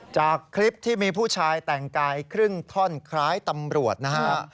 จากคลิปที่มีผู้ชายแต่งกายครึ่งท่อนคล้ายตำรวจนะฮะ